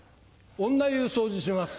女湯掃除します。